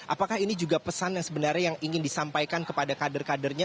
apakah ini juga pesan yang sebenarnya yang ingin disampaikan kepada kader kadernya